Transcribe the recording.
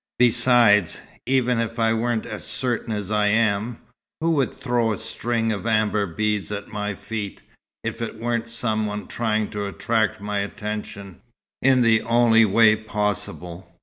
Besides, even if I weren't as certain as I am, who would throw a string of amber beads at my feet, if it weren't some one trying to attract my attention, in the only way possible?